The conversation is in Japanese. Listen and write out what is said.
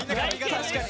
確かに。